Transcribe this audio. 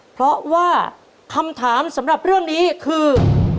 เพราะว่าคำถามสำหรับเรื่องนี้คือ